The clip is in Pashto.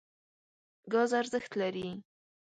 ګاز ارزښت لري.